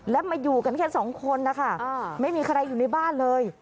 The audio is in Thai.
แล้วมาอยู่กันแค่สองคนนะคะไม่มีใครอยู่ในบ้านเลย